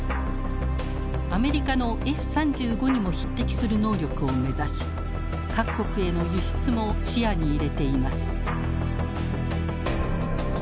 アメリカのＦ３５にも匹敵する能力を目指し各国への輸出も視野に入れています。